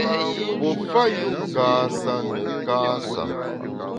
Pue fa yu kâsa ne kâsa.